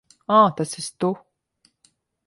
Ā, tas esi tu.